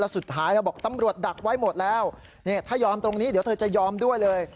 แล้วสุดท้ายบอกตำรวจดักไว้หมดแล้ว